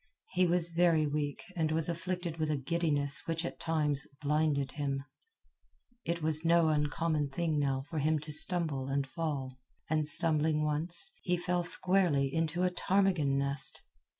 He was very weak and was afflicted with a giddiness which at times blinded him. It was no uncommon thing now for him to stumble and fall; and stumbling once, he fell squarely into a ptarmigan nest.